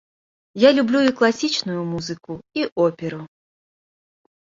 Я люблю і класічную музыку, і оперу.